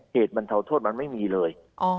เหตุบรรเทาโทษมันไม่มีเลย